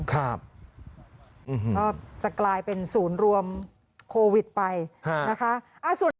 ก็จะกลายเป็นศูนย์รวมโควิดไปนะคะ